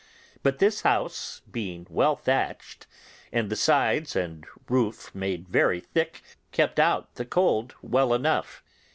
But this house, being well thatched, and the sides and roof made very thick, kept out the cold well enough.